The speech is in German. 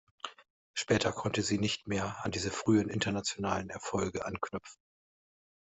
Später konnte sie nicht mehr an diese frühen internationalen Erfolge anknüpfen.